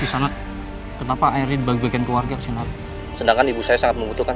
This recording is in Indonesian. disana kenapa akhirnya bagaikan keluarga senang sedangkan ibu saya sangat membutuhkan